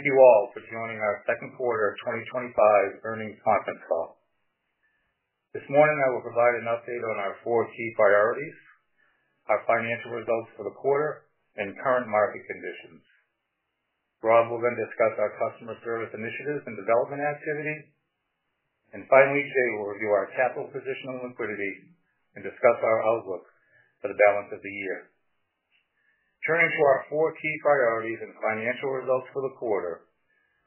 Thank you all for joining our second quarter 2025 earnings conference call. This morning, I will provide an update on our four key priorities, our financial results for the quarter, and current market conditions. Rob will then discuss our customer service initiatives and development activity. Finally, Jay will review our capital position and liquidity and discuss our outlook for the balance of the year. Turning to our four key priorities and financial results for the quarter,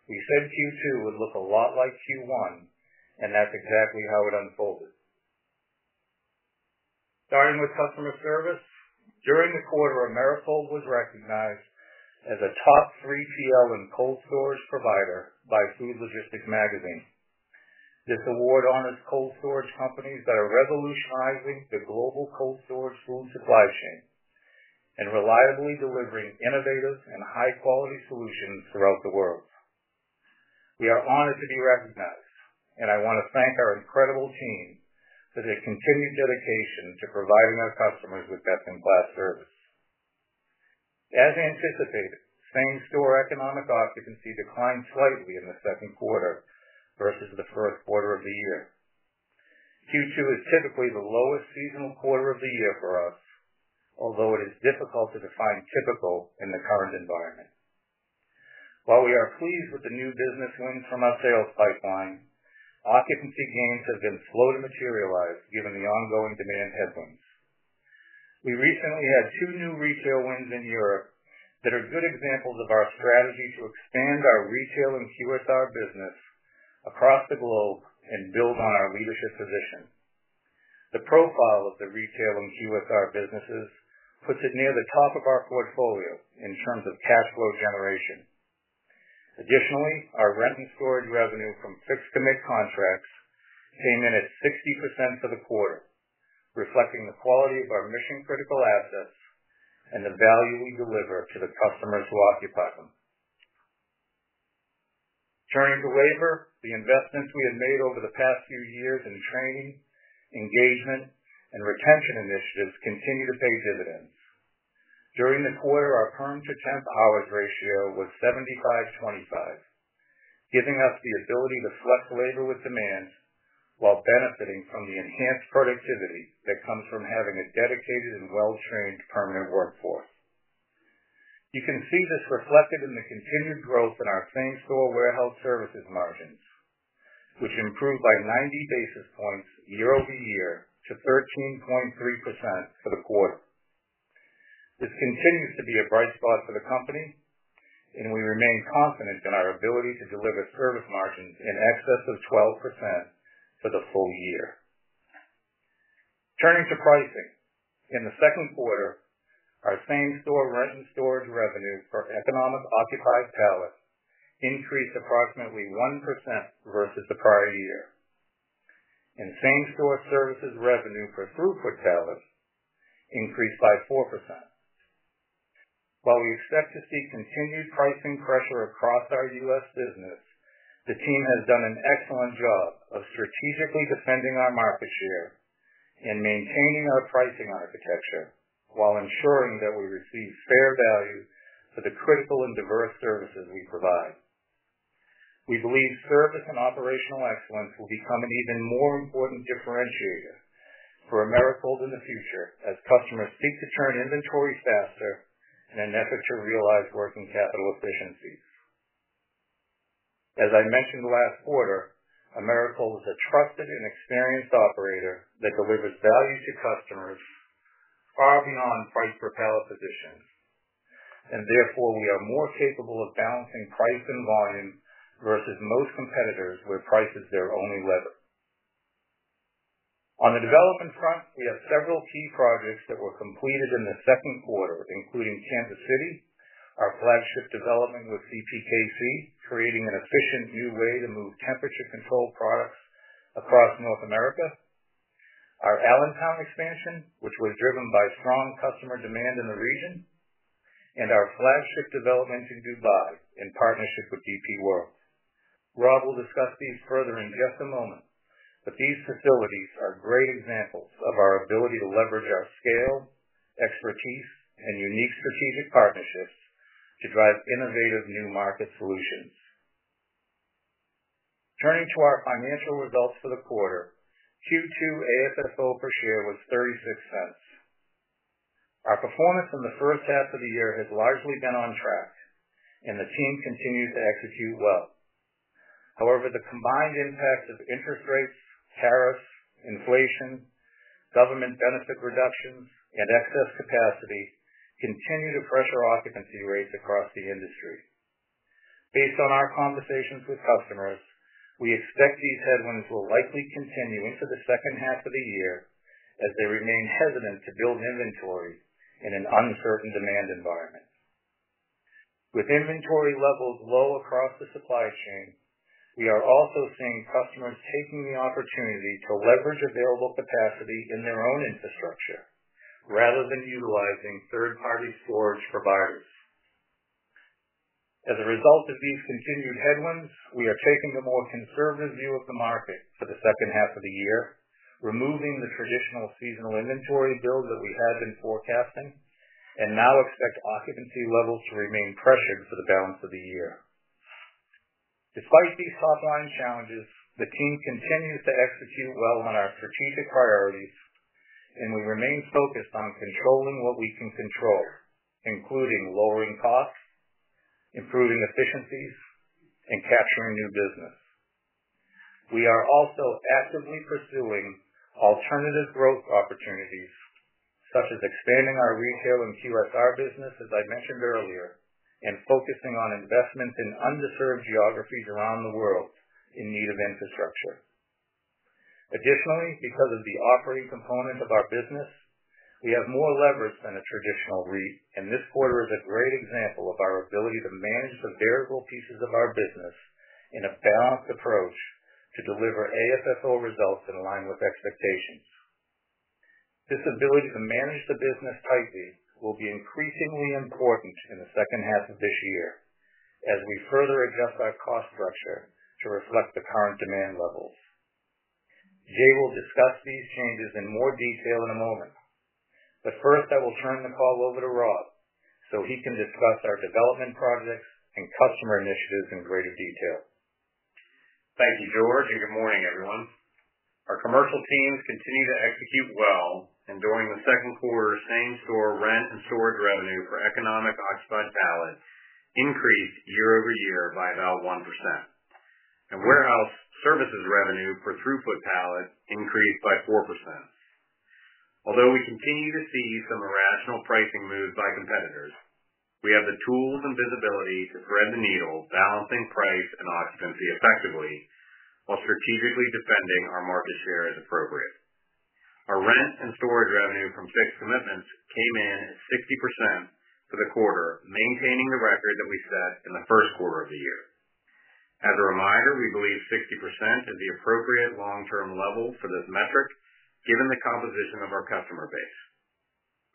we said Q2 would look a lot like Q1, and that's exactly how it unfolded. Starting with customer service, during the quarter, Americold was recognized as a top 3PL cold storage provider by Food Logistics Magazine. This award honors cold storage companies that are revolutionizing the global cold storage food supply chain and reliably delivering innovative and high-quality solutions throughout the world. We are honored to be recognized, and I want to thank our incredible team for their continued dedication to providing our customers with best-in-class service. As anticipated, same-store economic occupancy declined slightly in the second quarter versus the first quarter of the year. Q2 is typically the lowest seasonal quarter of the year for us, although it is difficult to define typical in the current environment. While we are pleased with the new business wins from our sales pipeline, occupancy gains have been slow to materialize given the ongoing demand headwinds. We recently had two new retail wins in Europe that are good examples of our strategy to expand our retail and QSR business across the globe and build on our leadership position. The profile of the retail and QSR businesses puts it near the top of our portfolio in terms of cash flow generation. Additionally, our rent and storage revenue from fixed commitment storage contracts came in at 60% for the quarter, reflecting the quality of our mission-critical assets and the value we deliver to the customers who occupy them. Turning to labor, the investments we have made over the past few years in training, engagement, and retention initiatives continue to pay dividends. During the quarter, our per-chip hours ratio was 75/25, giving us the ability to flex labor with demand while benefiting from the enhanced productivity that comes from having a dedicated and well-trained permanent workforce. You can see this reflected in the continued growth in our same-store warehouse services margin, which improved by 90 basis points year-over-year to 13.3% for the quarter. This continues to be a bright spot for the company, and we remain confident in our ability to deliver service margins in excess of 12% for the full year. Turning to pricing, in the second quarter, our same-store rent and storage revenue for economic occupancy pallets increased approximately 1% versus the prior year. Same-store services revenue for throughput pallets increased by 4%. While we expect to see continued pricing pressure across our U.S. business, the team has done an excellent job of strategically defending our market share and maintaining our pricing architecture while ensuring that we receive fair value for the critical and diverse services we provide. We believe service and operational excellence will become an even more important differentiator for Americold in the future as customers seek to turn inventories faster in an effort to realize working capital efficiencies. As I mentioned last quarter, Americold is a trusted and experienced operator that delivers value to customers far beyond price per pallet positions. Therefore, we are more capable of balancing price and volume versus most competitors where price is their only lever. On the development front, we have several key projects that were completed in the second quarter, including Kansas City, our flagship development with CPKC, creating an efficient new way to move temperature-controlled products across North America, our Allentown expansion, which was driven by strong customer demand in the region, and our flagship development in Dubai in partnership with DP World. Rob will discuss these further in just a moment, but these facilities are great examples of our ability to leverage our scale, expertise, and unique strategic partnerships to drive innovative new market solutions. Turning to our financial results for the quarter, Q2 AFFO per share was $0.36. Our performance in the first half of the year has largely been on track, and the team continues to execute well. However, the combined impact of interest rates, tariffs, inflation, government benefit reductions, and excess capacity continue to press our occupancy rates across the industry. Based on our conversations with customers, we expect these headwinds will likely continue into the second half of the year as they remain hesitant to build inventories in an uncertain demand environment. With inventory levels low across the supply chain, we are also seeing customers taking the opportunity to leverage available capacity in their own infrastructure rather than utilizing third-party storage providers. As a result of these continued headwinds, we are taking a more conservative view of the market for the second half of the year, removing the traditional seasonal inventory build that we had been forecasting, and now expect occupancy levels to remain pressured for the balance of the year. Despite these headwind challenges, the team continues to execute well on our strategic priorities, and we remain focused on controlling what we can control, including lowering costs, improving efficiencies, and capturing new business. We are also actively pursuing alternative growth opportunities, such as expanding our retail and QSR business, as I mentioned earlier, and focusing on investments in underserved geographies around the world in need of infrastructure. Additionally, because of the operating component of our business, we have more leverage than a traditional REIT, and this quarter is a great example of our ability to manage the variable pieces of our business in a balanced approach to deliver AFFO results in line with expectations. This ability to manage the business tightly will be increasingly important in the second half of this year as we further adjust our cost structure to reflect the current demand levels. Jay will discuss these changes in more detail in a moment. First, I will turn the call over to Rob so he can discuss our development projects and customer initiatives in greater detail. Thank you, George, and good morning, everyone. Our commercial teams continue to execute well, and during the second quarter, same-store rent and storage revenue for economic-occupied pallets increased year-over-year by about 1%. Warehouse services revenue per throughput pallet increased by 4%. Although we continue to see some irrational pricing moves by competitors, we have the tools and visibility to thread the needle, balancing price and occupancy effectively while strategically defending our market share as appropriate. Our rent and storage revenue from fixed commitments came in at 60% for the quarter, maintaining the record that we set in the first quarter of the year. As a reminder, we believe 60% is the appropriate long-term level for this metric, given the composition of our customer base.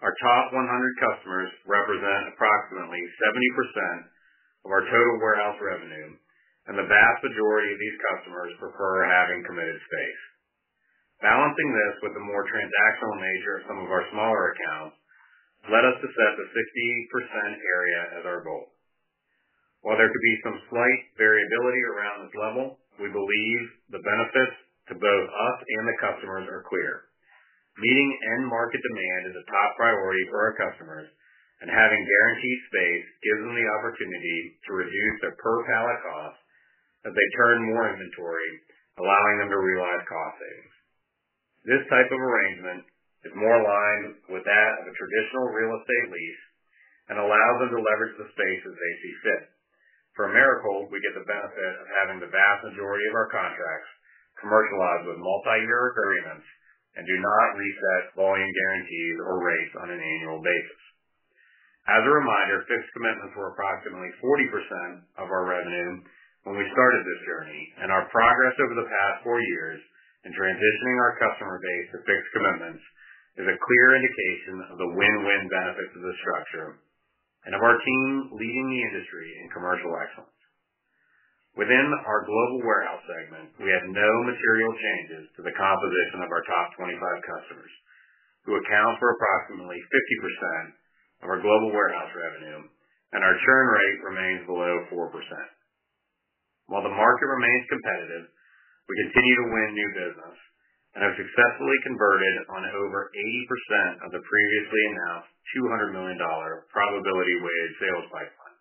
Our top 100 customers represent approximately 70% of our total warehouse revenue, and the vast majority of these customers prefer having committed space. Balancing this with the more transactional nature of some of our smaller accounts led us to set the 60% area as our goal. While there could be some slight variability around this level, we believe the benefits to both us and the customers are clear. Meeting end market demand is a top priority for our customers, and having guaranteed space gives them the opportunity to reduce their per-pallet cost as they turn more inventory, allowing them to realize cost savings. This type of arrangement is more aligned with that of a traditional real estate lease and allows them to leverage the space as they see fit. For Americold, we get the benefit of having the vast majority of our contracts commercialized with multi-year agreements and do not lease that volume guarantees or rates on an annual basis. As a reminder, fixed commitments were approximately 40% of our revenue when we started this journey, and our progress over the past four years in transitioning our customer base to fixed commitments is a clear indication of the win-win benefits of the structure and of our team leading the industry in commercial excellence. Within our global warehouse segment, we have no material changes to the composition of our top 25 customers, who account for approximately 50% of our global warehouse revenue, and our churn rate remains below 4%. While the market remains competitive, we continue to win new business and have successfully converted on over 80% of the previously announced $200 million probability-weighted sales pipeline.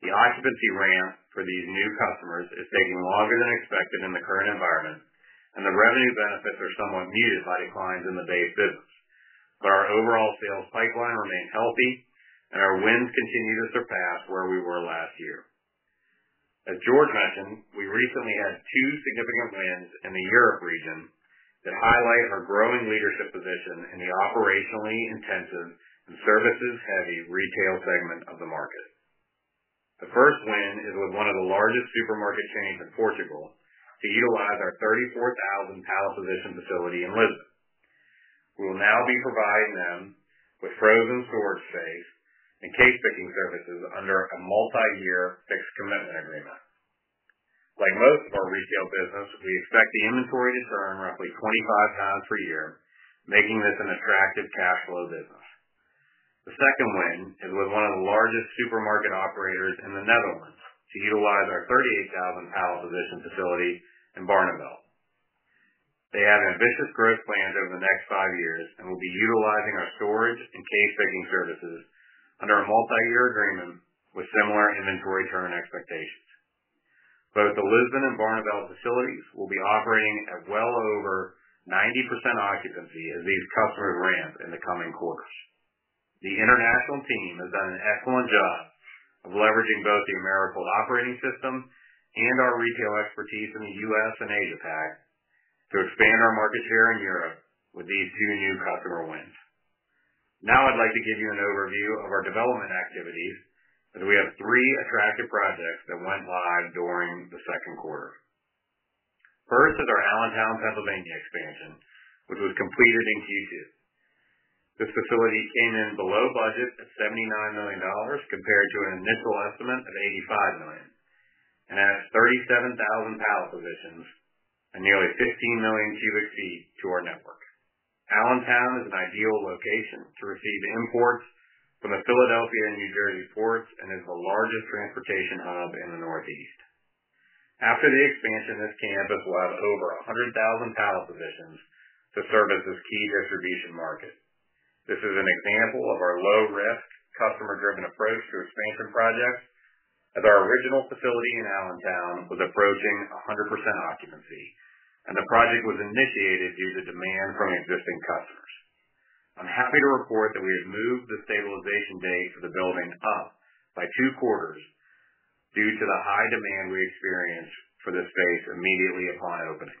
The occupancy ramp for these new customers is taking longer than expected in the current environment, and the revenue benefits are somewhat muted by declines in the base business. Our overall sales pipeline remains healthy, and our wins continue to surpass where we were last year. As George mentioned, we recently had two significant wins in the Europe region that highlight our growing leadership position in the operationally intensive and services-heavy retail segment of the market. The first win is with one of the largest supermarket chains in Portugal to utilize our 34,000-pallet position facility in Lisbon. We will now be providing them with frozen storage space and case-picking services under a multi-year fixed commitment agreement. Like most of our retail business, we expect the inventory to turn roughly 25,000 per year, making this an attractive cash flow business. The second win is with one of the largest supermarket operators in the Netherlands to utilize our 38,000-pallet position facility in Barneveld. They have ambitious growth plans over the next five years and will be utilizing our storage and case-picking services under a multi-year agreement with similar inventory turn expectations. Both the Lisbon and Barneveld facilities will be operating at well over 90% occupancy as these customers ramp in the coming quarters. The international team has done an excellent job of leveraging both the Americold operating system and our retail expertise in the U.S. and Asia-Pacific to expand our market share in Europe with these two new customer wins. Now I'd like to give you an overview of our development activities as we have three attractive projects that went live during the second quarter. First is our Allentown, Pennsylvania expansion, which was completed in Q2. This facility came in below budget at $79 million compared to an initial estimate of $85 million and adds 37,000 pallet positions and nearly 15 million cu ft to our network. Allentown is an ideal location to receive imports from the Philadelphia and New Jersey ports and is the largest transportation hub in the Northeast. After the expansion, this campus will have over 100,000 pallet positions to service this key distribution market. This is an example of our low-risk, customer-driven approach to expansion projects as our original facility in Allentown was approaching 100% occupancy and the project was initiated due to demand from existing customers. I'm happy to report that we have moved the stabilization date for the building up by two quarters due to the high demand we experienced for this space immediately upon opening.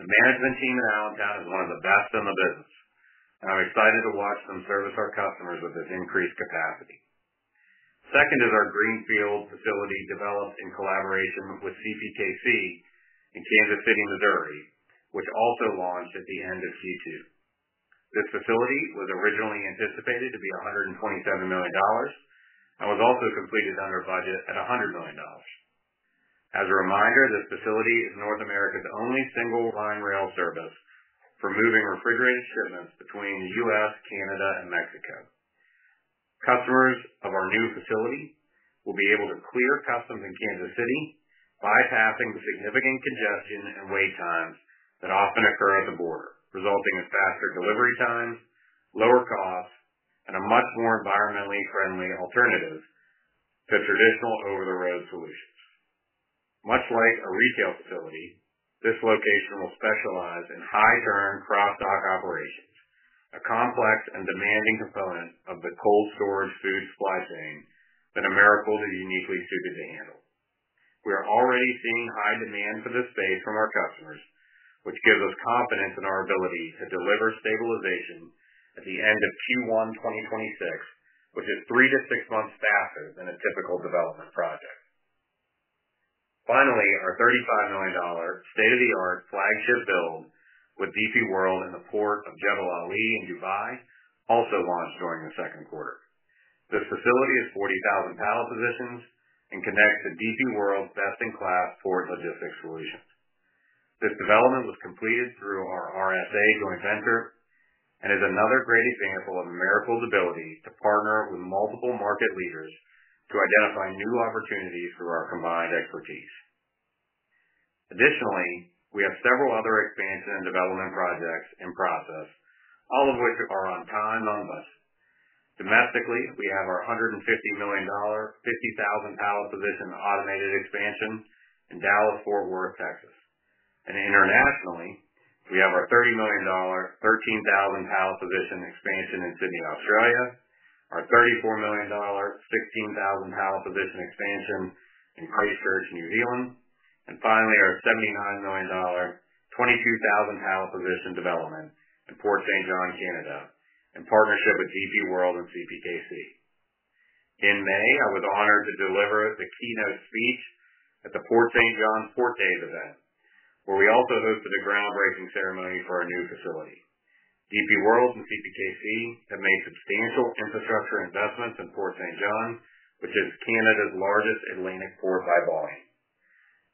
The management team in Allentown is one of the best in the business, and I'm excited to watch them service our customers with this increased capacity. Second is our Greenfield facility developed in collaboration with CPKC in Kansas City, Missouri, which also launched at the end of Q2. This facility was originally anticipated to be $127 million and was also completed under budget at $100 million. As a reminder, this facility is North America's only single line rail service for moving refrigerated shipments between the U.S., Canada, and Mexico. Customers of our new facility will be able to clear customs in Kansas City by passing the significant congestion and wait times that often occur at the border, resulting in faster delivery times, lower costs, and a much more environmentally friendly alternative to traditional over-the-road solutions. Much like a retail facility, this location will specialize in high-turn cross-dock operations, a complex and demanding component of the cold storage food supply chain that Americold is uniquely suited to handle. We are already seeing high demand for this space from our customers, which gives us confidence in our ability to deliver stabilization at the end of Q1 2026, which is three to six months faster than a typical development project. Finally, our $35 million state-of-the-art flagship build with DP World in the port of Jebel Ali in Dubai also launched during the second quarter. This facility is 40,000-pallet positions and connects to DP World's best-in-class port logistics solutions. This development was completed through our RSA joint venture and is another great example of Americold's ability to partner with multiple market leaders to identify new opportunities through our combined expertise. Additionally, we have several other expansion and development projects in process, all of which are on time and on budget. Domestically, we have our $150 million, 50,000-pallet position automated expansion in Dallas-Fort Worth, Texas. Internationally, we have our $30 million, 13,000-pallet position expansion in Sydney, Australia, our $34 million, 16,000-pallet position expansion in Crayfords, New Zealand, and our $79 million, 22,000-pallet position development in Port St. John, Canada, in partnership with DP World and CPKC. In May, I was honored to deliver the keynote speech at the Port St. John's Port Days event, where we also hosted a groundbreaking ceremony for our new facility. DP World and CPKC have made substantial infrastructure investments in Port St. John, which is Canada's largest Atlantic port by volume.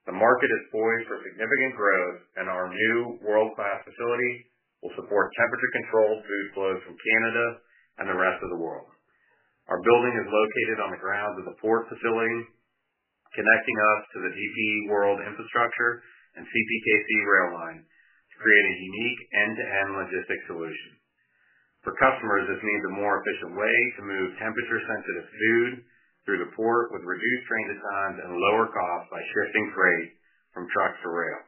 The market is poised for significant growth, and our new world-class facility will support temperature-controlled food flows from Canada and the rest of the world. Our building is located on the grounds of the port facility, connecting us to the DP World infrastructure and CPKC rail line to create a unique end-to-end logistics solution. For customers, this means a more efficient way to move temperature-sensitive food through the port with reduced transit times and lower costs by shifting freight from trucks to rail.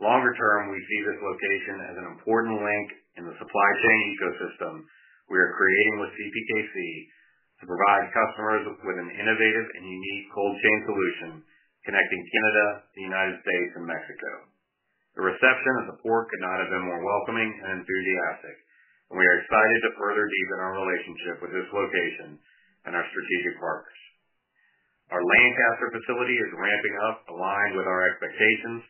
Longer term, we see this location as an important link in the supply chain ecosystem we are creating with CPKC to provide customers with an innovative and unique cold chain solution connecting Canada, the United State, and Mexico. The reception at the port could not have been more welcoming and enthusiastic, and we are excited to further deepen our relationship with this location and our strategic partners. Our lane capture facility is ramping up, aligned with our expectations,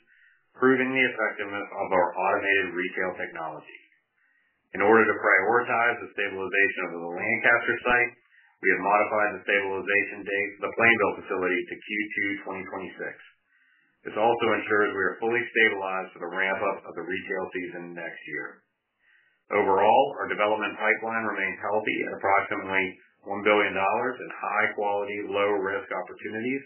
proving the effectiveness of our automated retail technology. In order to prioritize the stabilization of the lane capture site, we have modified the stabilization date for the Plainville facility to Q2 2026. This also ensures we are fully stabilized for the ramp-up of the retail season next year. Overall, our development pipeline remains healthy at approximately $1 billion in high-quality, low-risk opportunities,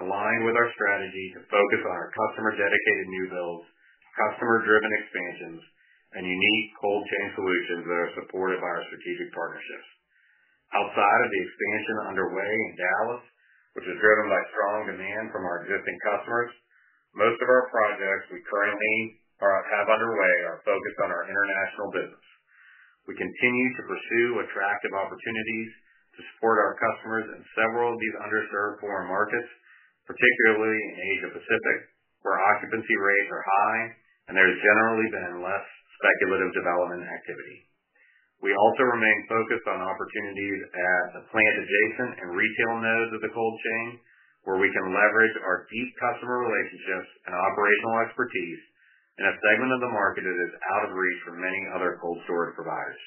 aligned with our strategy to focus on our customer-dedicated new builds, customer-driven expansions, and unique cold chain solutions that are supported by our strategic partnerships. Outside of the expansion underway in Dallas, which is driven by strong demand from our existing customers, most of our projects we currently have underway are focused on our international business. We continue to pursue attractive opportunities to support our customers in several of these underserved foreign markets, particularly in Asia-Pacific, where occupancy rates are high and there's generally been less speculative development activity. We also remain focused on opportunities at the plant adjacent and retail nodes of the cold chain, where we can leverage our deep customer relationships and operational expertise in a segment of the market that is out of reach for many other cold storage providers.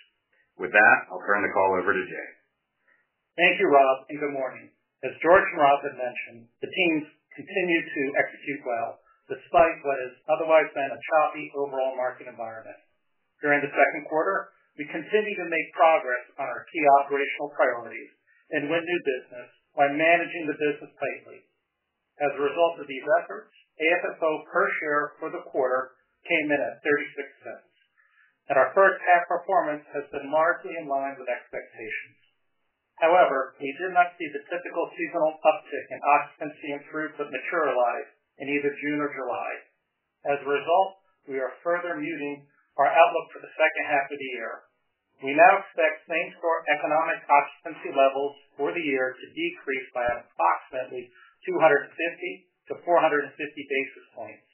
With that, I'll turn the call over to Jay. Thank you, Rob, and good morning. As George and Rob had mentioned, the teams continue to execute well despite what has otherwise been a choppy overall market environment. During the second quarter, we continue to make progress on our key operational priorities and win new business by managing the business tightly. As a result of these efforts, AFFO per share for the quarter came in at $0.36, and our first half performance has been largely in line with expectations. However, we did not see the typical seasonal uptick in occupancy and throughput materialize in either June or July. As a result, we are further muting our outlook for the second half of the year. We now expect same-store economic occupancy levels for the year to decrease by approximately 250-450 basis points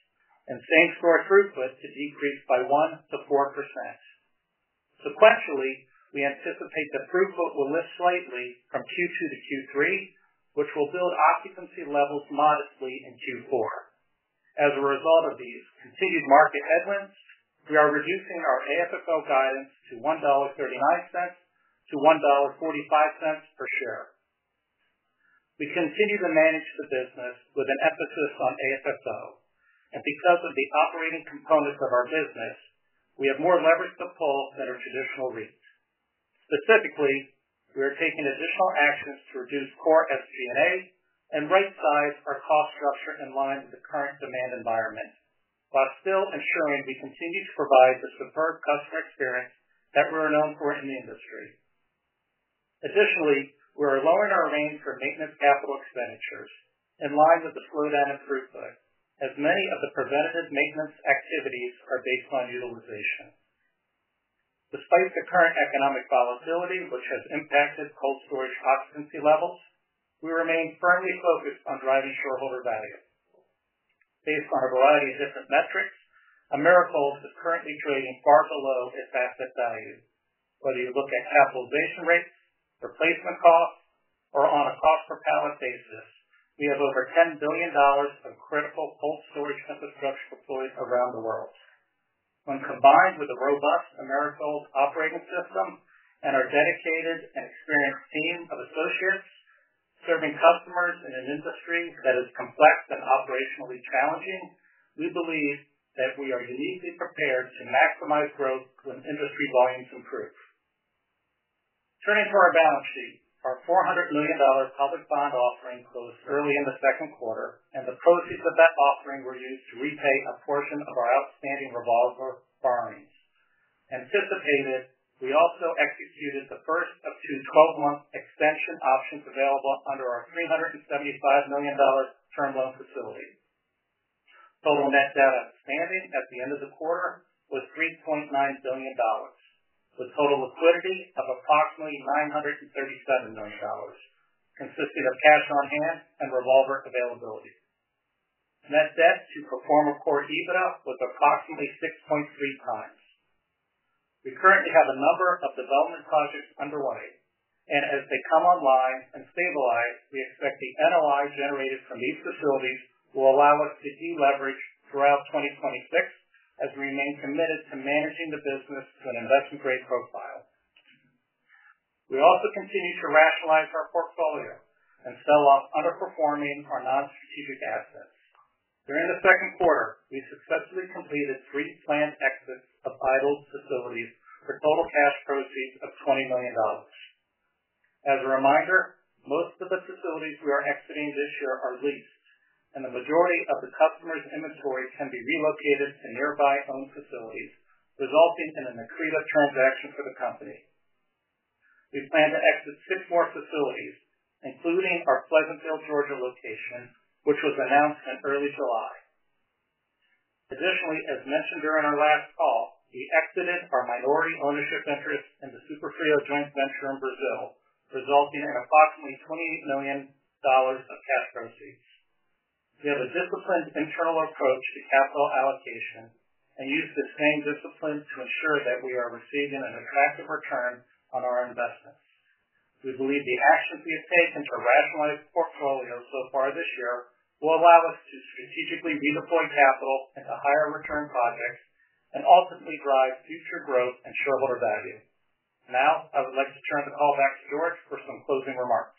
and same-store throughput to decrease by 1%-4%. Sequentially, we anticipate the throughput will lift slightly from Q2 to Q3, which will build occupancy levels modestly in Q4. As a result of these continued market headwinds, we are reducing our AFFO guidance to $1.39-$1.45 per share. We continue to manage the business with an emphasis on AFFO, and because of the operating components of our business, we have more leverage to pull than our traditional REITs. Specifically, we are taking additional actions to reduce core SG&A and right-size our cost structure in line with the current demand environment, while still ensuring we continue to provide the superb customer experience that we're known for in the industry. Additionally, we are lowering our lane for maintenance capital expenditures in line with the slowdown in throughput, as many of the preventative maintenance activities are based on utilization. Despite the current economic volatility, which has impacted cold storage occupancy levels, we remain firmly focused on driving shareholder value. Based on a variety of different metrics, Americold is currently trading far below its asset value. Whether you look at capitalization rates, replacement costs, or on a cost-per-pallet basis, we have over $10 billion of critical cold storage temperature deployed around the world. When combined with a robust Americold operating system and our dedicated and experienced team of associates serving customers in an industry that is complex and operationally challenging, we believe that we are uniquely prepared to maximize growth when industry volumes improve. Turning to our balance sheet, our $400 million public bond offering closed early in the second quarter, and the proceeds of that offering were used to repay a portion of our outstanding revolver borrowings. As anticipated, we also executed the first of two 12-month extension options available under our $375 million term loan facility. Total net debt outstanding at the end of the quarter was $3.9 billion, with total liquidity of approximately $937 million, consisting of cash on hand and revolver availability. Net debt to core EBITDA was approximately 6.3x. We currently have a number of development projects underway, and as they come online and stabilize, we expect the NOI generated from these facilities will allow us to deleverage throughout 2026 as we remain committed to managing the business to an investment-grade profile. We also continue to rationalize our portfolio and sell off underperforming or non-core assets. During the second quarter, we successfully completed three planned exits of viable facilities for total cash proceeds of $20 million. As a reminder, most of the facilities we are exiting this year are leased, and the majority of the customers' inventory can be relocated to nearby owned facilities, resulting in an accretive transaction for the company. We plan to exit six more facilities, including our Pleasantville, Georgia location, which was announced in early July. Additionally, as mentioned during our last call, we exited our minority ownership interest in the Superfrio joint venture in Brazil, resulting in approximately $28 million of cash proceeds. We have a disciplined internal approach to capital allocation and use the same discipline to ensure that we are receiving an attractive return on our investments. We believe the actions we've taken to rationalize portfolios so far this year will allow us to strategically redeploy capital into higher return projects and ultimately drive future growth and shareholder value. Now, I would like to turn the call back to George for some closing remarks.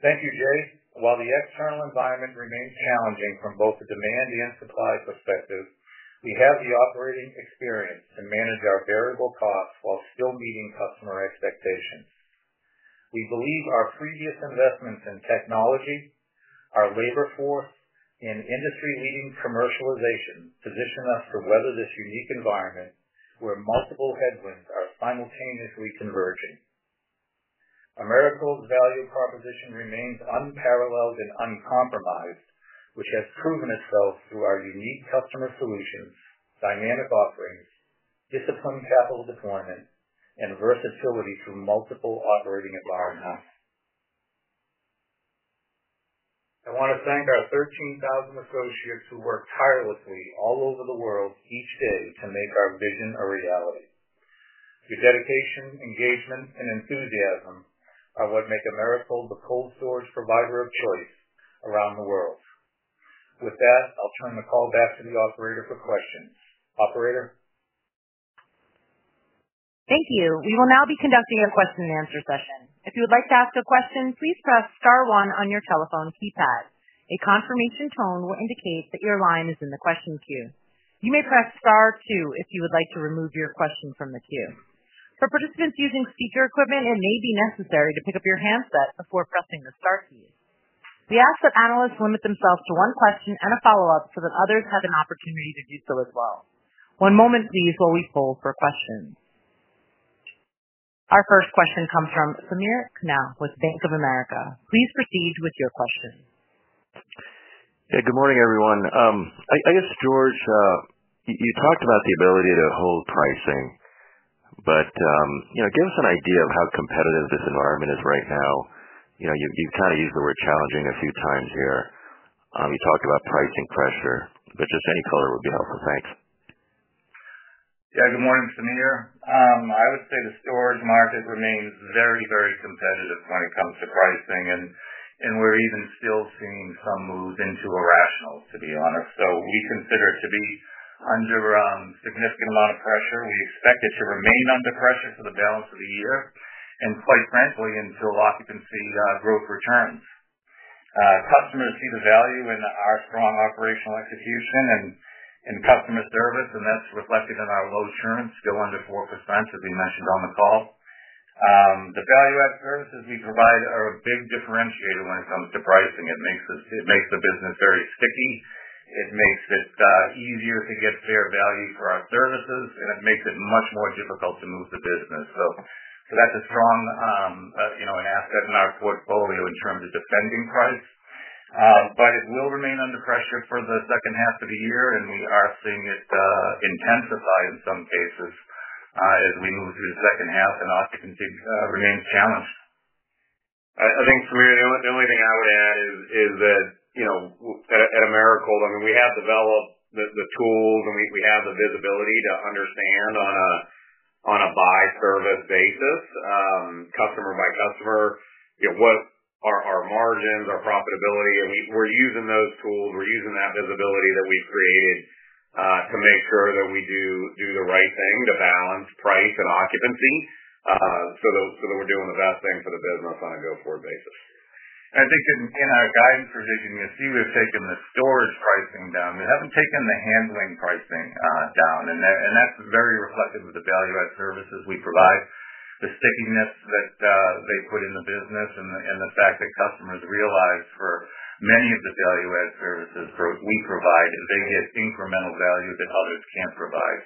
Thank you, Jay. While the external environment remains challenging from both the demand and supply perspectives, we have the operating experience to manage our variable costs while still meeting customer expectations. We believe our previous investments in technology, our labor force, and industry-leading commercialization position us to weather this unique environment where multiple headwinds are simultaneously converging. Americold's value proposition remains unparalleled and uncompromised, which has proven itself through our unique customer solutions, dynamic offerings, disciplined capital deployment, and versatility through multiple operating environments. I want to thank our 13,000 associates who work tirelessly all over the world each day to make our vision a reality. Your dedication, engagement, and enthusiasm are what make Americold the cold storage provider of choice around the world. With that, I'll turn the call back to the operator for questions. Operator. Thank you. We will now be conducting a question and answer session. If you would like to ask a question, please press star one on your telephone keypad. A confirmation tone will indicate that your line is in the question queue. You may press star two if you would like to remove your question from the queue. For participants using speaker equipment, it may be necessary to pick up your handset before pressing the star key. We ask that analysts limit themselves to one question and a follow-up so that others have an opportunity to do so as well. One moment, please, while we poll for questions. Our first question comes from Samir Khanal with Bank of America. Please proceed with your question. Good morning, everyone. I guess, George, you talked about the ability to hold pricing, but give us an idea of how competitive this environment is right now. You've kind of used the word challenging a few times here. You talked about pricing pressure, but any color would be helpful. Thanks. Yeah, good morning, Samir. I would say the storage market remains very, very competitive when it comes to pricing, and we're even still seeing some moves into irrational, to be honest. We consider it to be under a significant amount of pressure. We expect it to remain under pressure for the balance of the year and, quite frankly, until occupancy growth returns. Customers see the value in our strong operational execution and customer service, and that's reflected in our low churn, still under 4%, as we mentioned on the call. The value-added services we provide are a big differentiator when it comes to pricing. It makes the business very sticky. It makes it easier to get fair value for our services, and it makes it much more difficult to move the business. That's a strong asset in our portfolio in terms of defending price. It will remain under pressure for the second half of the year, and we are seeing it intensify in some cases as we move through the second half and occupancy remains challenging. I think, Samir, the only thing I would add is that at Americold, we have developed the tools and we have the visibility to understand on a buy-service basis, customer by customer, what are our margins, our profitability, and we're using those tools, we're using that visibility that we've created to make sure that we do the right thing to balance price and occupancy so that we're doing the best thing for the business on a go-forward basis. I think in our guidance for GCBC, we've taken the storage pricing down. We haven't taken the handling pricing down, and that's very reflective of the value-added services we provide, the stickiness that they put in the business, and the fact that customers realize for many of the value-added services we provide, they get incremental values that others can't provide.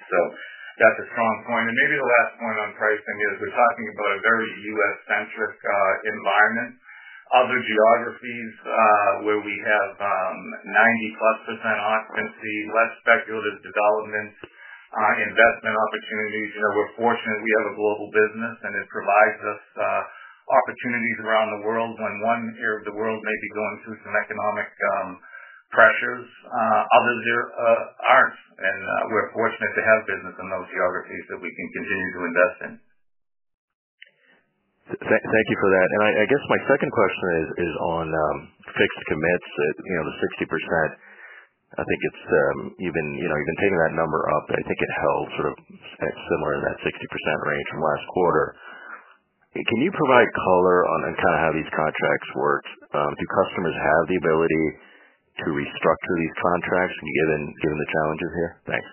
That's a strong point. Maybe the last point on pricing is we're talking about a very U.S.-centric environment. Other geographies where we have 90%+ occupancy, less speculative developments, investment opportunities. We're fortunate we have a global business, and it provides us opportunities around the world when one area of the world may be going through some economic pressures, others aren't. We're fortunate to have business in those geographies that we can continue to invest in. Thank you for that. I guess my second question is on fixed commitment storage contracts, you know, the 60%. I think it's even, you know, even taking that number up, I think it held sort of similar in that 60% range from last quarter. Can you provide color on kind of how these contracts work? Do customers have the ability to restructure these contracts given the challenges here? Thanks.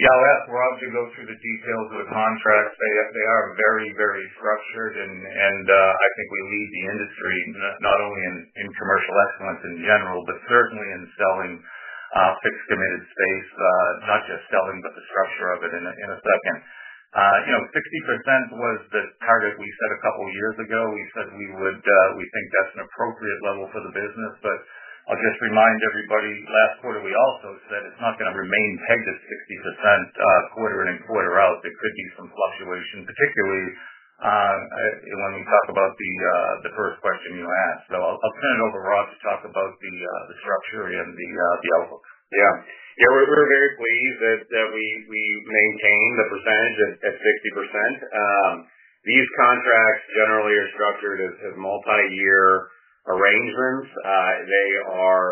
Yeah, Rob could go through the details of the contracts. They are very, very structured, and I think we lead the industry not only in commercial excellence in general, but certainly in selling fixed commitment space, not just selling, but the structure of it in a second. You know, 60% was the target we set a couple of years ago. We said we would, we think that's an appropriate level for the business. I'll just remind everybody, last quarter we also said it's not going to remain tight to 60% quarter in and quarter out. There could be some fluctuation, particularly when we talk about the first question you asked. I'll turn it over to Rob to talk about the structure and the outlook. Yeah, we're very pleased that we maintain the percentage at 60%. These contracts generally are structured as multi-year arrangements. They are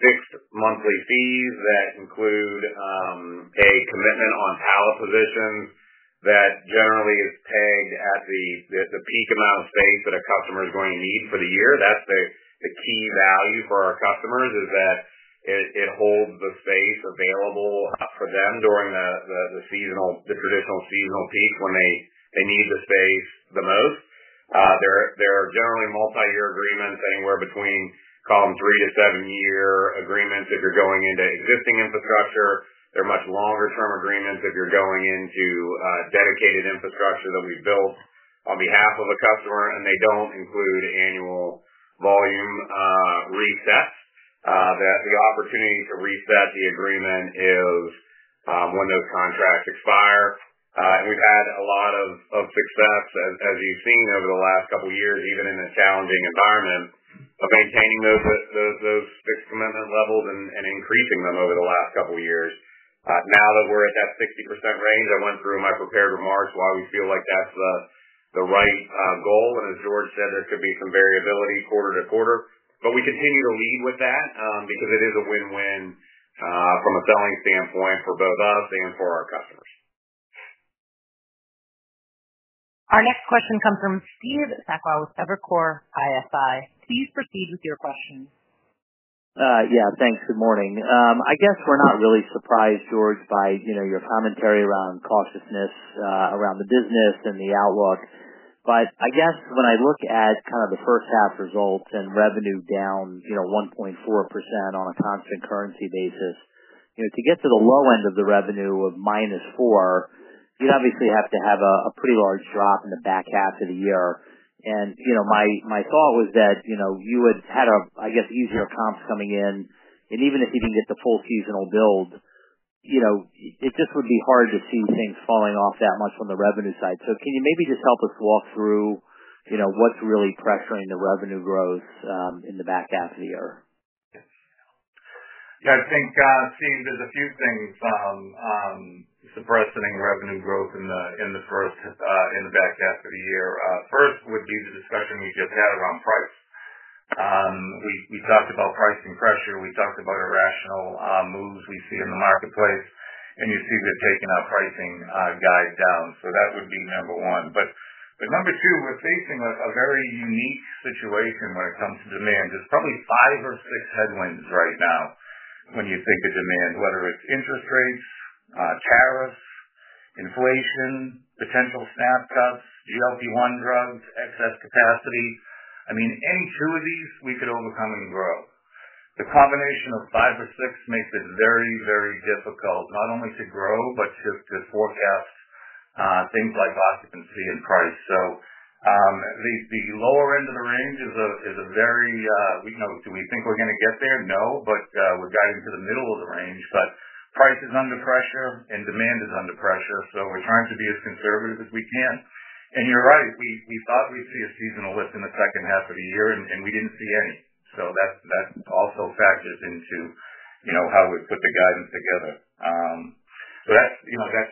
fixed monthly fees that include a commitment on pallet positions that generally is tagged at the peak amount of space that a customer is going to need for the year. That's the key value for our customers is that it holds the space available for them during the traditional seasonal peaks when they need the space the most. There are generally multi-year agreements anywhere between, call them, three- to seven-year agreements if you're going into existing infrastructure. There are much longer-term agreements if you're going into dedicated infrastructure that'll be built on behalf of a customer, and they don't include annual volume resets. The opportunity to reset the agreement is when those contracts expire. We've had a lot of success, as you've seen over the last couple of years, even in a challenging environment, of maintaining those fixed commitment levels and increasing them over the last couple of years. Now that we're at that 60% range, I went through my prepared remarks why we feel like that's the right goal. As George said, there could be some variability quarter to quarter. We continue to lead with that because it is a win-win from a selling standpoint for both us and for our customers. Our next question comes from Steve Sakwa with Evercore ISI. Please proceed with your question. Yeah, thanks. Good morning. I guess we're not really surprised, George, by your commentary around cautiousness around the business and the outlook. I guess when I look at kind of the first half results and revenue down 1.4% on a constant currency basis, to get to the low end of the revenue of -4%, you'd obviously have to have a pretty large drop in the back half of the year. My thought was that you would have had easier comps coming in, and even if you can get the full seasonal build, it just would be hard to see things falling off that much on the revenue side. Can you maybe just help us walk through what's really pressuring the revenue growth in the back half of the year? Yeah, I think, Steve, there's a few things suppressing revenue growth in the first half of the year. First would be the discussion we just had around price. We talked about pricing pressure. We talked about irrational moves we see in the marketplace, and you see that taking our pricing guide down. That would be number one. Number two, we're facing a very unique situation when it comes to demand. There's probably five or six headwinds right now when you think of demand, whether it's interest rates, tariffs, inflation, potential SNAP cuts, GLP-1 drugs, excess capacity. I mean, any two of these, we could overcome and grow. The combination of five or six makes it very, very difficult not only to grow, but just to forecast things like occupancy and price. The lower end of the range is a very, you know, do we think we're going to get there? No, but we're guiding to the middle of the range. Price is under pressure and demand is under pressure. We're trying to be as conservative as we can. You're right. We thought we'd see a seasonal lift in the second half of the year, and we didn't see any. That also factors into how we put the guidance together. That's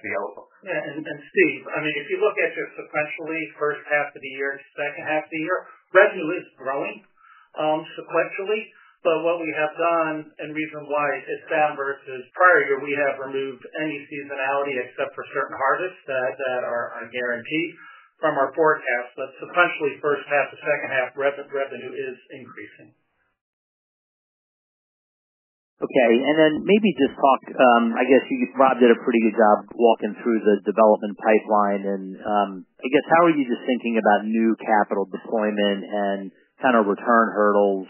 the outlook. Yeah, Steve, if you look at it sequentially, first half of the year, second half of the year, revenue is growing sequentially. What we have done and the reason why it's down versus prior year, we have removed any seasonality except for certain harvests that are guaranteed from our forecast. Sequentially, first half to second half, revenue is increasing. Okay. Maybe just talk, I guess Rob did a pretty good job walking through the development pipeline. I guess how are you just thinking about new capital deployment and kind of return hurdles?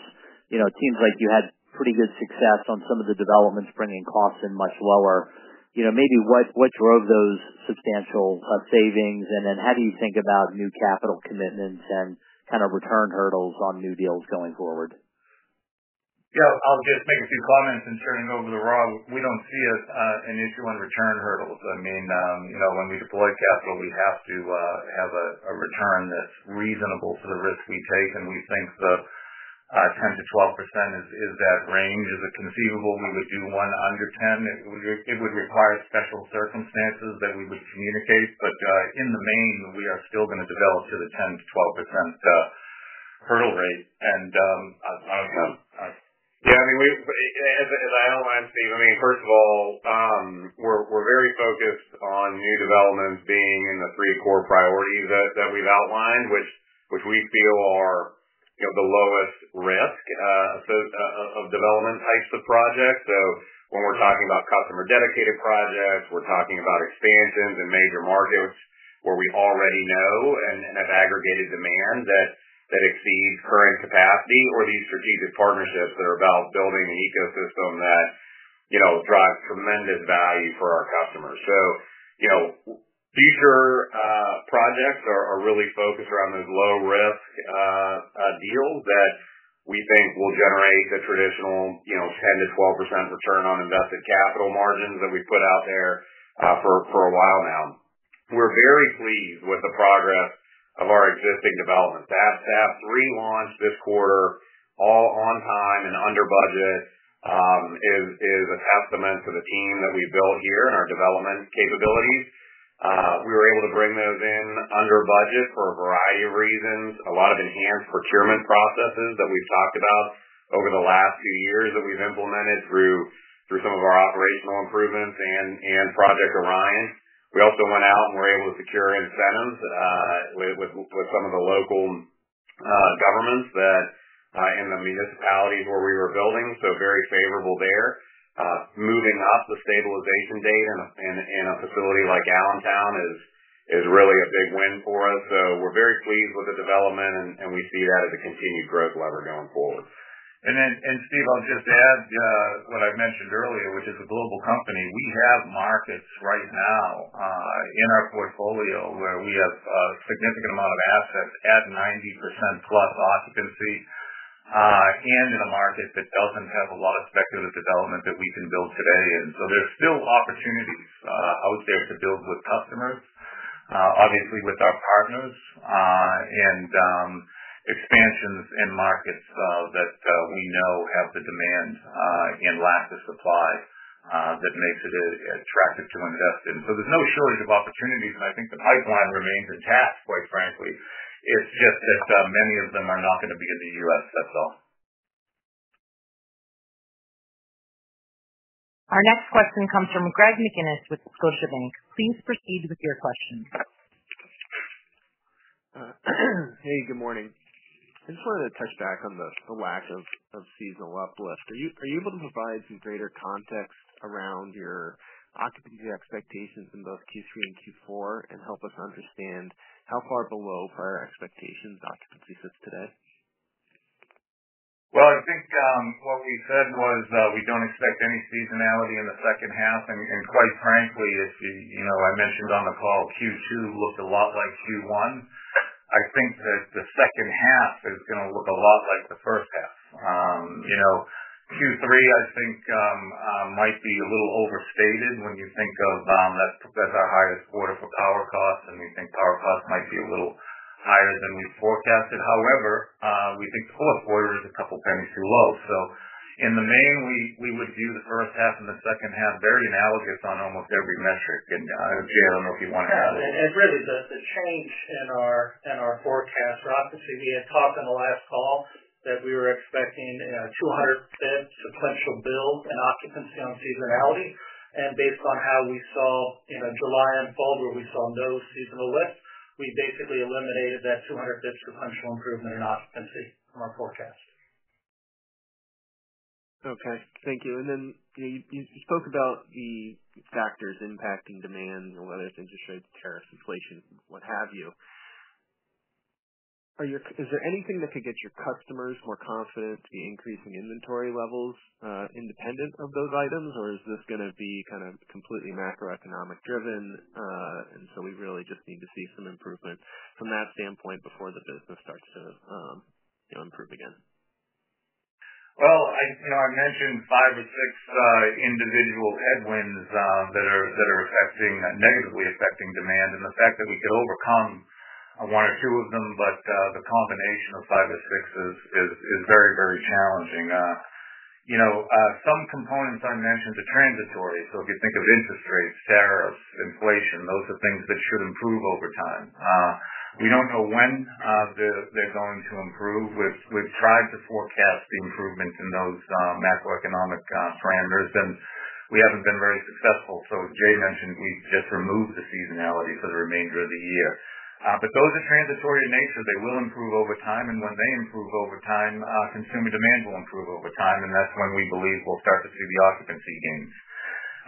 It seems like you had pretty good success on some of the developments, bringing costs in much lower. Maybe what drove those substantial savings? How do you think about new capital commitments and kind of return hurdles on new deals going forward? Yeah, I'll just make a few comments and turn it over to Rob. We don't see an issue on return hurdles. I mean, you know, when we deploy capital, we have to have a return that's reasonable for the risk we take. We think the 10%-12% is that range. Is it conceivable we would do one under 10%? It would require special circumstances that we would communicate. In the main, we are still going to develop to the 10%-12% hurdle rate. I was going to. Yeah, I mean, as I outlined, Steve, first of all, we're very focused on new developments being in the three core priorities that we've outlined, which we feel are the lowest risk of development types of projects. When we're talking about customer-dedicated projects, we're talking about expansions in major markets where we already know, and that's aggregated demand that exceeds current capacity or these strategic partnerships that are about building an ecosystem that drives tremendous value for our customers. Future projects are really focused around those low-risk deals that we think will generate the traditional 10%-12% return on invested capital margins that we've put out there for a while now. We're very pleased with the progress of our existing developments. That relaunch this quarter, all on time and under budget, is a testament to the team that we built here and our development capabilities. We were able to bring those in under budget for a variety of reasons. A lot of enhanced procurement processes that we've talked about over the last few years that we've implemented through some of our operational improvements and Project Orion. We also went out and were able to secure incentives with some of the local governments in the municipalities where we were building. Very favorable there. Moving up the stabilization date in a facility like Allentown is really a big win for us. We're very pleased with the development, and we see that as a continued growth lever going forward. Steve, I'll just add what I mentioned earlier, which is a global company. We have markets right now in our portfolio where we have a significant amount of assets at 90%+ occupancy and in a market that doesn't have a lot of speculative development that we can build today. There's still opportunities, I would say, to build with customers, obviously with our partners, and expansions in markets that we know have the demand and lack the supply that makes it attractive to invest in. There's no shortage of opportunities, and I think the pipeline remains attached, quite frankly. It's just that many of them are not going to be in the U.S., that's all. Our next question comes from Greg McGinniss with Scotiabank. Please proceed with your question. Hey, good morning. I just wanted to touch back on the lack of seasonal uplift. Are you able to provide some greater context around your occupancy expectations in both Q3 and Q4, and help us understand how far below prior expectations occupancy sits today? I think what we said was we don't expect any seasonality in the second half. Quite frankly, I mentioned on the call Q2 looked a lot like Q1. I think that the second half is going to look a lot like the first half. Q3, I think, might be a little overstated when you think of that's our highest quarter for power costs, and we think power costs might be a little higher than we forecasted. However, we think the fourth quarter is a couple of pennies too low. In the main, we would view the first half and the second half very analogous on almost every metric. Jay, I don't know if you want to add it. It really does. The change in our forecast for occupancy, you had talked on the last call that we were expecting a 200 spend sequential build in occupancy on seasonality. Based on how we saw in July and fall where we saw no seasonal lift, we basically eliminated that 200-bed sequential improvement in occupancy from our forecast. Okay. Thank you. You spoke about the factors impacting demand, whether it's interest rates, tariffs, inflation, what have you. Is there anything that could get your customers more confident in increasing inventory levels independent of those items, or is this going to be kind of completely macroeconomic driven? We really just need to see some improvement from that standpoint before the business starts to improve again. I mentioned five or six individual headwinds that are negatively affecting demand. The fact that we could overcome one or two of them, but the combination of five or six is very, very challenging. Some components I mentioned are transitory. If you think of interest rates, tariffs, inflation, those are things that should improve over time. We don't know when they're going to improve. We've tried to forecast the improvement in those macroeconomic parameters, and we haven't been very successful. As Jay mentioned, we've just removed the seasonality for the remainder of the year. Those are transitory in nature. They will improve over time. When they improve over time, consumer demand will improve over time. That's when we believe we'll start to see the occupancy gains.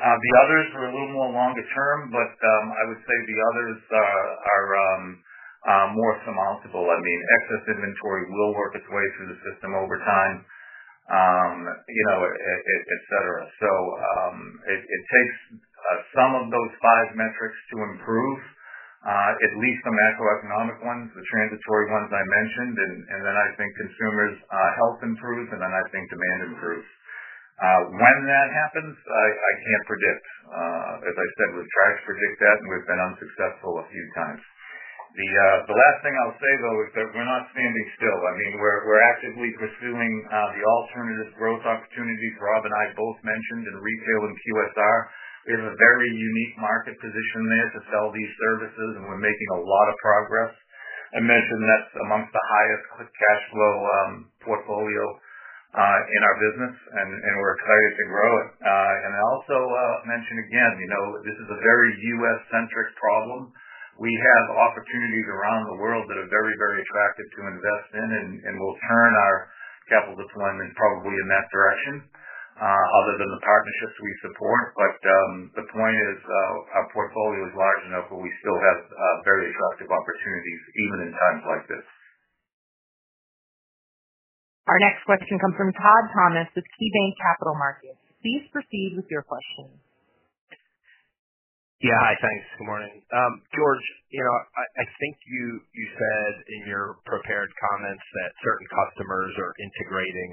The others are a little more longer term, but I would say the others are more surmountable. Excess inventory will work its way through the system over time, etc. It takes some of those five metrics to improve, at least the macroeconomic ones, the transitory ones I mentioned. Then I think consumers' health improves, and then I think demand improves. When that happens, I can't predict. As I said, we're trying to predict that, and we've been unsuccessful a few times. The last thing I'll say, though, is that we're not standing still. We're actively pursuing the alternative growth opportunities Rob and I both mentioned in retail and QSR. We have a very unique market position there to sell these services, and we're making a lot of progress. I mentioned that's amongst the highest quick cash flow portfolio in our business, and we're excited to grow it. I also mentioned again, this is a very U.S.-centric problem. We have opportunities around the world that are very, very attractive to invest in and will turn our capital deployment probably in that direction, other than the partnerships we support. The point is our portfolio is large enough where we still have very attractive opportunities even in times like this. Our next question comes from Todd Thomas with KeyBanc Capital Markets. Please proceed with your question. Yeah, hi, thanks. Good morning. George, you know, I think you said in your prepared comments that certain customers are integrating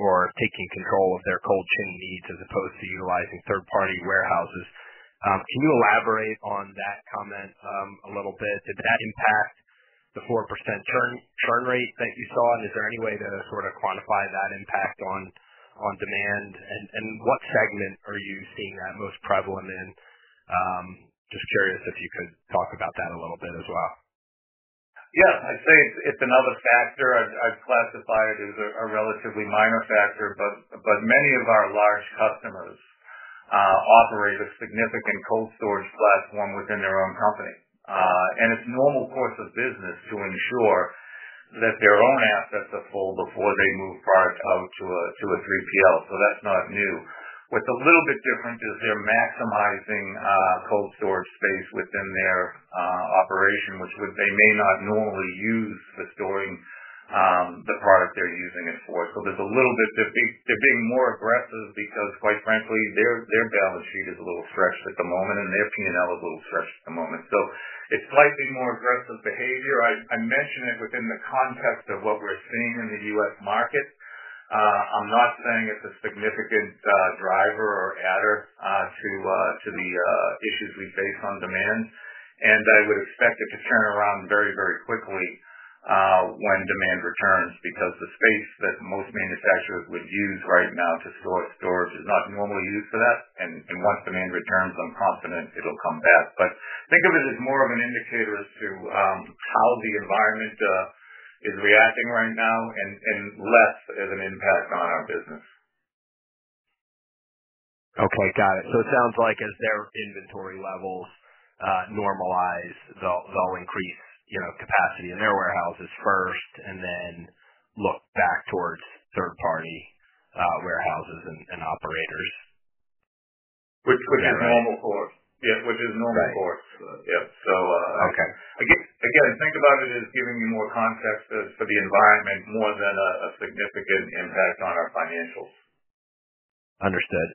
or taking control of their cold chain needs as opposed to utilizing third-party warehouses. Can you elaborate on that comment a little bit? Did that impact the 4% churn rate that you saw? Is there any way to sort of quantify that impact on demand? What segment are you seeing that most prevalent in? Just curious if you can talk about that a little bit as well. Yeah, I'd say it's another factor. I've classified it as a relatively minor factor, but many of our large customers operate a significant cold storage class one within their own company. It's a normal course of business to ensure that their own assets are full before they move product out to a 3PL. That's not new. What's a little bit different is they're maximizing cold storage space within their operation, which they may not normally use for storing the product they're using it for. There's a little bit they're being more aggressive because, quite frankly, their balance sheet is a little stretched at the moment and their P&L is a little stretched at the moment. It's slightly more aggressive behavior. I mentioned it within the context of what we're seeing in the U.S. markets. I'm not saying it's a significant driver or adder to the issues we face on demand. I would expect it to turn around very, very quickly when demand returns because the space that most manufacturers would use right now to store storage is not normally used for that. Once demand returns, I'm confident it'll come back. Think of it as more of an indicator as to how the environment is reacting right now and less as an impact on our business. Okay, got it. It sounds like as their inventory levels normalize, they'll increase, you know, capacity in their warehouses first and then look back towards third-party warehouses and operators. Which is normal for us. Yeah, which is normal for us. Think about it as giving you more context for the environment more than a significant impact on our financials. Understood.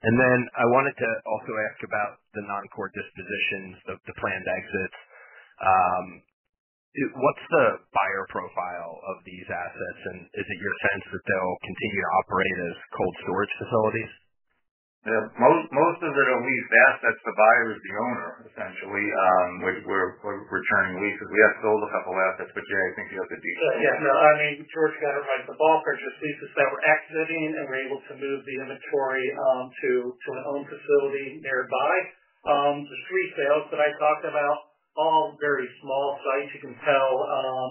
I wanted to also ask about the non-core asset dispositions, the planned exits. What's the buyer profile of these assets? Is it your sense that they'll continue to operate as cold storage facilities? Most of it, at least the assets, the buyer is the owner, essentially. We're returning leases. We have sold a couple of assets, but you're thinking of the details. Yeah, no, I mean, George, the bulk is that these are sales exiting and we're able to move the inventory to our own facility nearby. The three sales that I talked about, all very small sites. You can tell,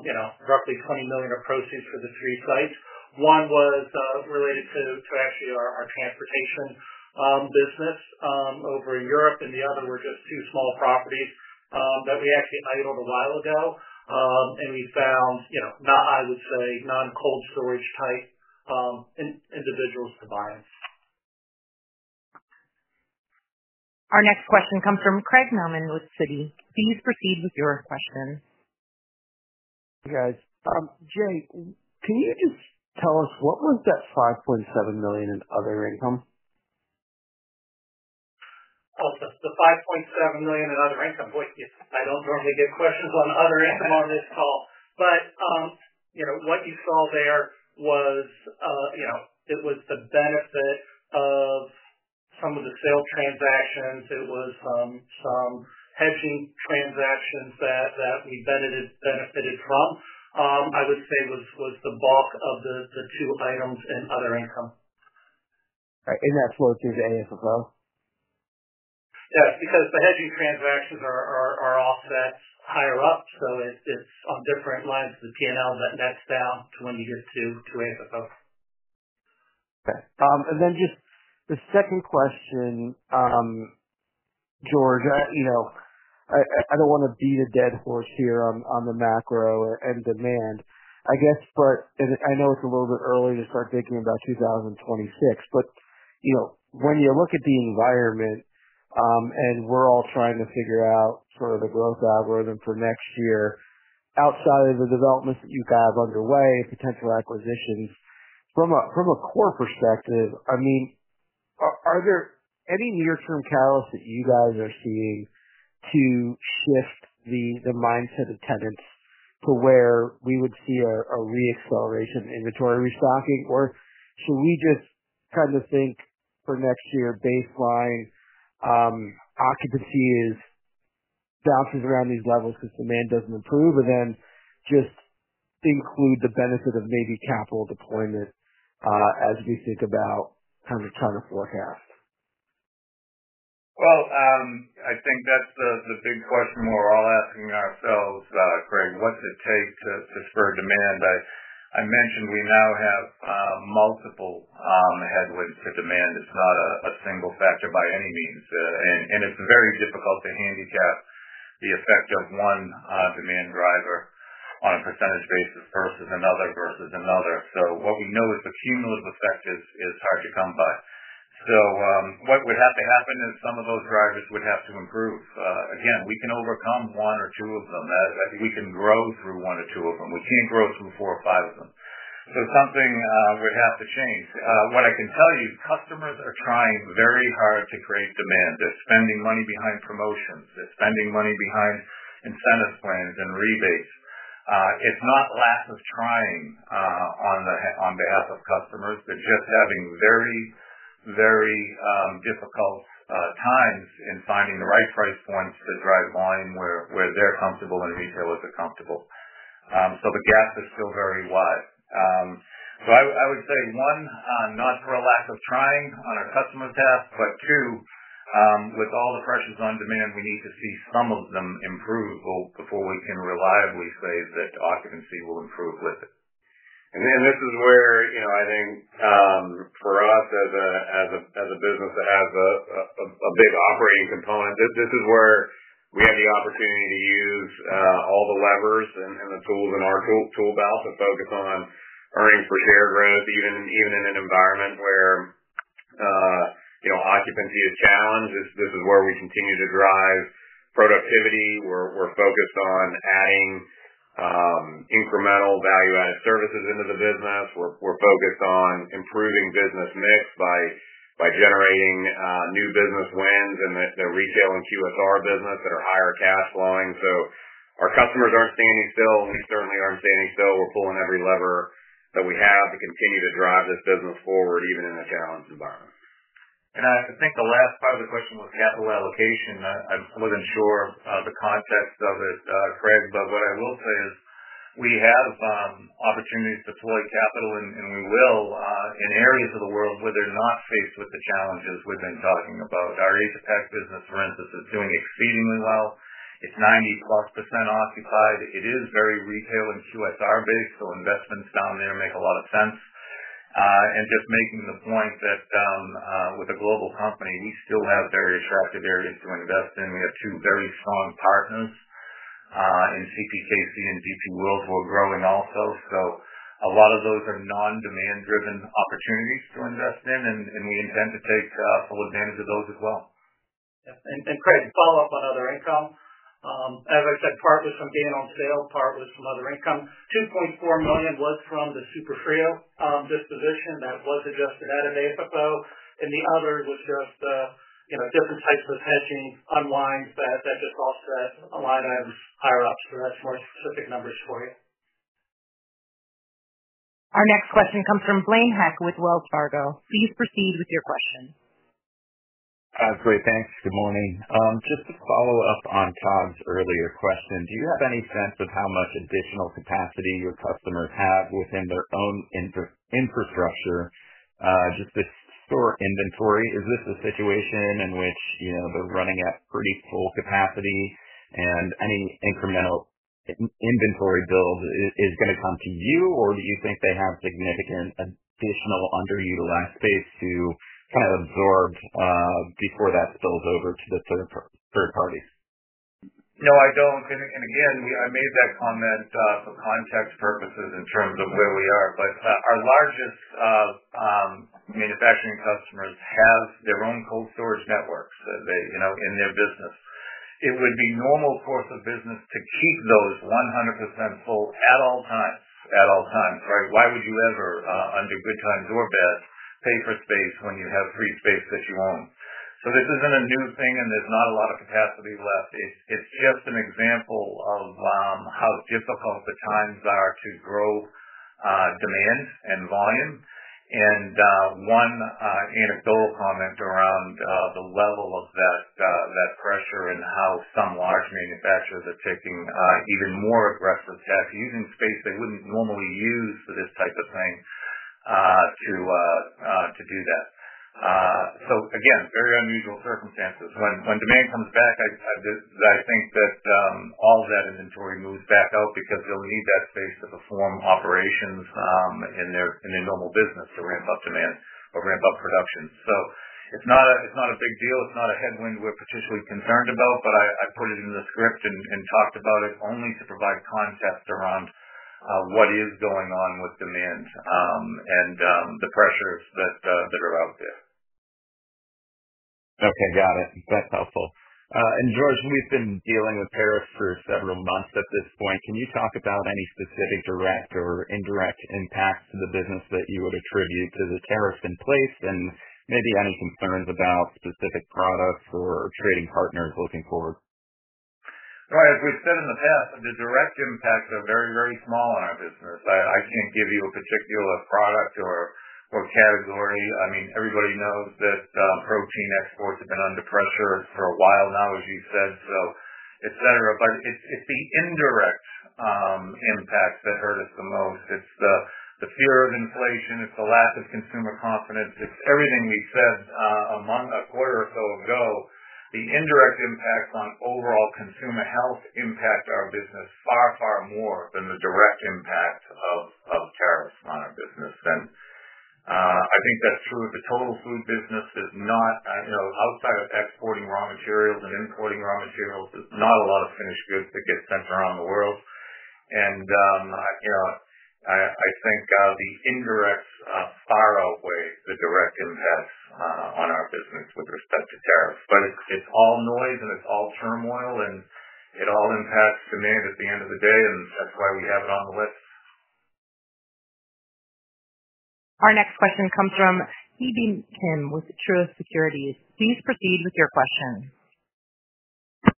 you know, roughly $20 million of proceeds for the three sites. One was related to actually our transportation business over in Europe, and the other were just two small properties that we actually idled a while ago. We found, you know, I would say non-cold storage type individuals to buy us. Our next question comes from Craig Mailman with Citi. Please proceed with your question. Hey, guys. Jay, can you just tell us what was that $5.7 million in other income? Oh, the $5.7 million in other income, what? I don't normally get questions on other income on this call. What you saw there was the benefit of some of the sales transactions. It was some hedging transactions that we benefited from. I would say it was the bulk of the two items in other income. All right. That's worth these added as well? Yeah, because the hedging transactions are off that higher up. It's on different lines of the P&L that nets down to when you get to added those. Okay. Just the second question, George, I don't want to beat the dead horse here on the macro and demand. I know it's a little bit early to start thinking about 2026. When you look at the environment, and we're all trying to figure out sort of the growth algorithm for next year, outside of the developments that you guys have underway, potential acquisitions, from a core perspective, are there any near-term catalysts that you guys are seeing to shift the mindset of tenants to where we would see a reacceleration in inventory restocking? Should we just kind of think for next year, baseline, occupancy bounces around these levels because demand doesn't improve, and then just include the benefit of maybe capital deployment as we think about kind of trying to forecast? I think that's the big question we're all asking ourselves, Craig, what's it take to spur demand? I mentioned we now have multiple headwinds to demand. It's not a single factor by any means, and it's very difficult to handicap the effect of one demand driver on a percentage basis versus another. What we know is the cumulative effect is hard to come by. What would have to happen is some of those drivers would have to improve. We can overcome one or two of them. We can grow through one or two of them. We can't grow through four or five of them. Something would have to change. What I can tell you is customers are trying very hard to create demand. They're spending money behind promotions. They're spending money behind incentive plans and rebates. It's not lack of trying on behalf of customers, just having very, very difficult times in finding the right price points to drive volume where they're comfortable and retailers are comfortable. The gap is still very wide. I would say, one, not for a lack of trying on our customers' tasks, but two, with all the pressures on demand, we need to see some of them improve before we can reliably say that occupancy will improve with it. This is where, you know, I think for us as a business that has a big operating component, we have the opportunity to use all the levers and the tools in our tool belt to focus on earnings per share growth, even in an environment where occupancy is challenged. This is where we continue to drive productivity. We're focused on adding incremental value-added services into the business. We're focused on improving business mix by generating new business wins in the retail and QSR business that are higher cash flowing. Our customers aren't standing still, and we certainly aren't standing still. We're pulling every lever that we have to continue to drive this business forward, even in a challenged environment. I think the last part of the question was capital allocation. I wasn't sure the context of this, Craig, but what I will say is we have opportunities to deploy capital, and we will in areas of the world where they're not faced with the challenges we've been talking about. Our Asia-Pacific business, for instance, is doing exceedingly well. It's 90%+ occupied. It is very retail and QSR-based, so investments down there make a lot of sense. Just making the point that with a global company, we still have very attractive areas to invest in. We have two very strong partners, CPKC and DP World, who are growing also. A lot of those are non-demand-driven opportunities to invest in, and we intend to take full advantage of those as well. Craig, to follow up on other income, as I said, partly from being on sale, partly from other income, $2.4 million was from the Superfrio disposition that was adjusted at an AFFO. The other was just the different types of hedging unwinds that offset a line item higher up. That's more specific numbers for you. Our next question comes from Blaine Heck with Wells Fargo. Please proceed with your question. Great, thanks. Good morning. Just to follow up on Tom's earlier question, do you have any sense of how much additional capacity your customers have within their own infrastructure, just to store inventory? Is this a situation in which they're running at pretty full capacity and any incremental inventory build is going to come to you, or do you think they have significant additional underutilized space to kind of absorb before that spills over to the third parties? No, I don't. I made that comment for context purposes in terms of where we are. Our largest manufacturing customers have their own cold storage networks in their business. It would be a normal course of business to keep those 100% full at all times, right? Why would you ever, under good times or bad, pay for space when you have free space that you own? This isn't a new thing, and there's not a lot of capacity left. It's just an example of how difficult the times are to grow demand and volume. One anecdotal comment around the level of that pressure is how some large manufacturers are taking even more aggressive steps using space they wouldn't normally use for this type of thing to do that. Very unusual circumstances. When demand comes back, I think that all of that inventory moves back out because they'll need that space to perform operations in their normal business to ramp up demand or ramp up production. It's not a big deal. It's not a headwind we're particularly concerned about, but I put it in the script and talked about it only to provide context around what is going on with demand and the pressures that are out there. Okay, got it. That's helpful. George, we've been dealing with tariffs for several months at this point. Can you talk about any specific direct or indirect impacts to the business that you would attribute to the tariffs in place, maybe any concerns about specific products or trading partners looking forward? As we've said in the past, the direct impacts are very, very small in our business. I can't give you a particular product or category. I mean, everybody knows that protein exports have been under pressure for a while now, as you said, etc. It's the indirect impacts that hurt us the most. It's the fear of inflation. It's the lack of consumer confidence. It's everything we said a month, a quarter ago. The indirect impacts on overall consumer health impact our business far, far more than the direct impact of tariffs on our business. I think that's true of the total food business. There's not, you know, outside of exporting raw materials and importing raw materials, a lot of finished goods that get sent around the world. I think the indirects far outweigh the direct impacts on our business with respect to tariffs. It's all noise and it's all turmoil and it all impacts demand at the end of the day. That's why we have it on the list. Our next question comes from Ki-Bi Kim with Truist Securities. Please proceed with your question.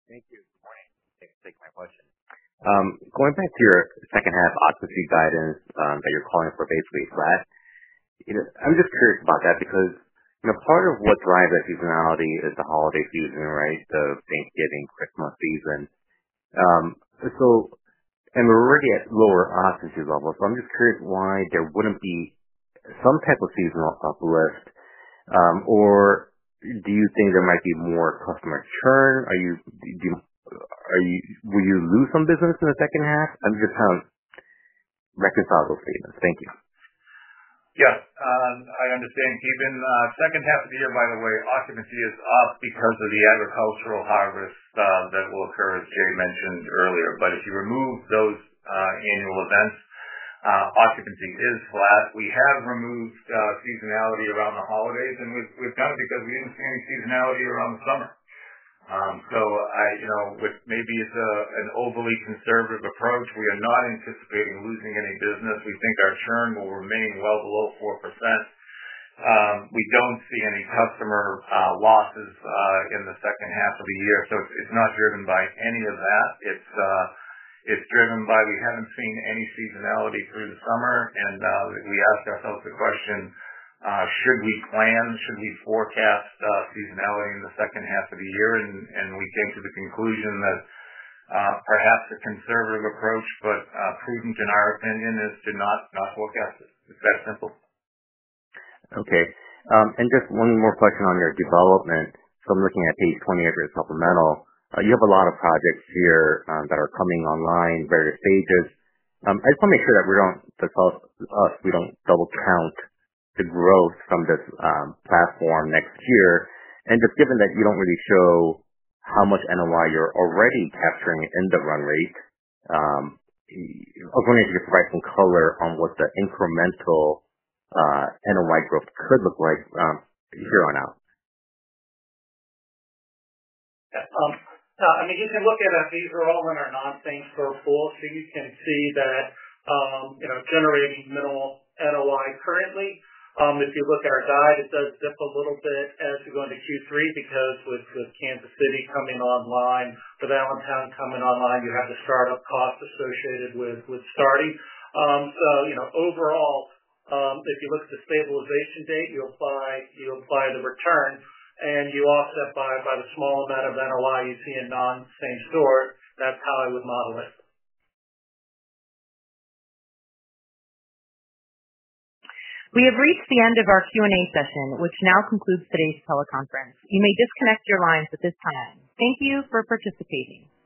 Thank you. Taking my question. Going back to your second half occupancy guidance that you're calling for basically flat, I'm just curious about that because part of what drives that seasonality is the holiday season, right? The Thanksgiving, Christmas season. I'm already at lower occupancy levels. I'm just curious why there wouldn't be some type of seasonal uplift. Do you think there might be more customer churn? Are you, will you lose some business in the second half? I'm just trying to reconcile those statements. Thank you. Yeah. I understand. Ki-Bin the second half of the year, by the way, occupancy is up because of the agricultural harvest that will occur, as Jay mentioned earlier. If you remove those annual events, occupancy is flat. We have removed seasonality around the holidays, and we've done it because we didn't see any seasonality around the summer. Which maybe is an overly conservative approach. We are not anticipating losing any business. We think our churn will remain well below 4%. We don't see any customer losses in the second half of the year. It's not driven by any of that. It's driven by we haven't seen any seasonality through the summer. We asked ourselves the question, should we plan, should we forecast seasonality in the second half of the year? We came to the conclusion that perhaps a conservative approach, but prudent in our opinion, is to not forecast it. It's very simple. Okay. Just one more question on your development. I'm looking at page 28 of your supplemental. You have a lot of projects here that are coming online, various stages. I just want to make sure that we don't double count the growth from this platform next year. Given that you don't really show how much NOI you're already capturing in the run rate, I was wondering if you could provide some color on what the incremental NOI growth could look like here on out. I mean, you can look at our fixed commitment storage contracts in our non-core asset dispositions. You can see that, you know, generating minimal NOI currently. If you look at our guide, it does dip a little bit as we go into Q3 because with Kansas City coming online, with Allentown coming online, you have the startup costs associated with starting. Overall, if you look at the stabilization date, you apply the return, and you offset by the small amount of NOI you see in non-core asset dispositions, that's how I would model it. We have reached the end of our Q&A session, which now concludes today's teleconference. You may disconnect your lines at this time. Thank you for participating.